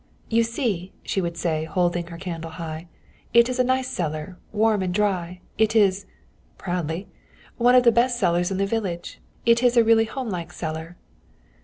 "You see!" she would say, holding her candle high. "It is a nice cellar, warm and dry. It is" proudly "one of the best cellars in the village. It is a really homelike cellar."